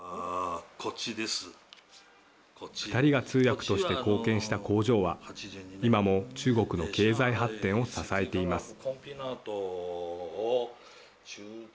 ２人が通訳として貢献した工場は今も中国の経済発展を支えています。